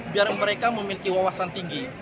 biar mereka memiliki wawasan tinggi